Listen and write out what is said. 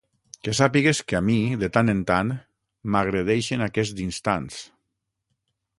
Que sàpigues que a mi, de tant en tant, m’agredeixen aquests instants.